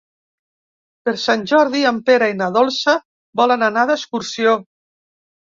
Per Sant Jordi en Pere i na Dolça volen anar d'excursió.